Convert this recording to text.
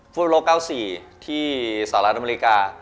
ฟุตบอลโลก๙๔ที่สหรัฐอเมริกา